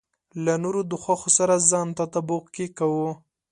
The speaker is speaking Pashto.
له نورو د خوښو سره ځان تطابق کې کوو.